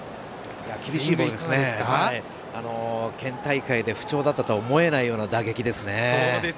県大会で不調だったとは思えないような打撃ですね。